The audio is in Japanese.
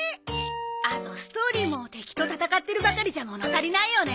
あとストーリーも敵と戦ってるばかりじゃ物足りないよね。